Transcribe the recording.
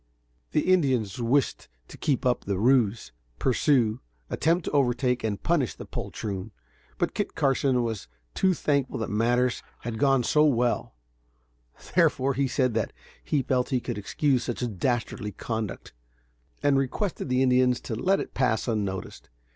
The Indians wished to keep up the ruse, pursue, Attempt to overtake and punish the poltroon; but Kit Carson was too thankful that matters had gone so well; therefore, he said that he felt that he could excuse such dastardly conduct, and requested the Indians to let it pass unnoticed.